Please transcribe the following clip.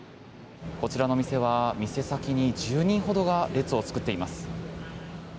こちらの店は店先に１０人ほどが列を作っています。